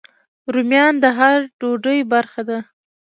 رومیان د هر ډوډۍ برخه وي